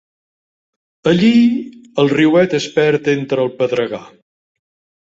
Allí el riuet es perd entre el pedregar.